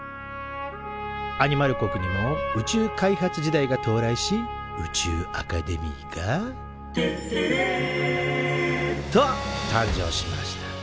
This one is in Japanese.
アニマル国にも宇宙開発時代がとう来し宇宙アカデミーが「てってれー！」と誕生しました。